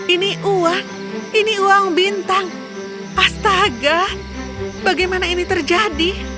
ini uang ini uang bintang astaga bagaimana ini terjadi